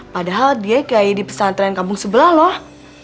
padahal dia kiai di pesantren kampung sebelah loh